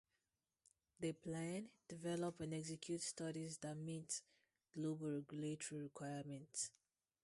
They plan, develop and execute studies that meet global regulatory requirements.